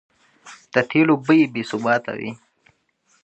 د تېلو بیې بې ثباته وې؛